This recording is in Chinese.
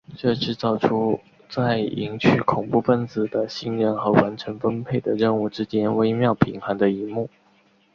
这制造出在赢取恐怖份子的信任和完成分配的任务之间微妙平衡的一幕。